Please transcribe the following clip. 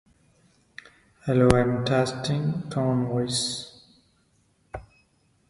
Bedford is part of the Hurst-Euless-Bedford Independent School District.